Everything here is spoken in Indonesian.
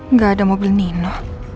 nggak ada mobil nino